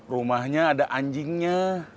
rumahnya ada anjingnya